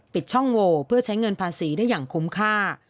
ปิดช่องโวเพื่อใช้เงินภาษีได้อย่างคุ้มค่า